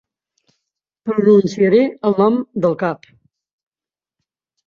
Pronunciaré el nom del cap.